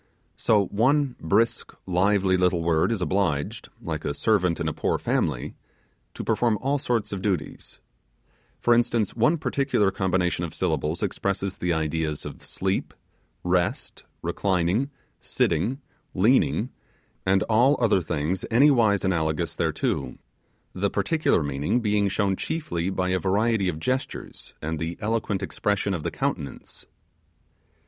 So one brisk, lively little word is obliged, like a servant in a poor family, to perform all sorts of duties; for instance, one particular combination of syllables expresses the ideas of sleep, rest, reclining, sitting, leaning, and all other things anywise analogous thereto, the particular meaning being shown chiefly by a variety of gestures and the eloquent expression of the countenance.